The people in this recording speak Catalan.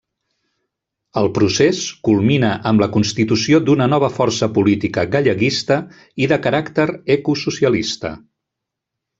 El procés culmina amb la constitució d'una nova força política galleguista i de caràcter ecosocialista.